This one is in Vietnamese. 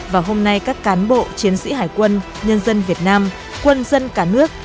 và hôm nay các cán bộ chiến sĩ hải quân nhân dân việt nam quân dân cả nước